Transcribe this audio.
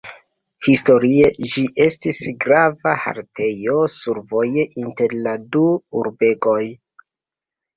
Historie ĝi estis grava haltejo survoje inter la du urbegoj.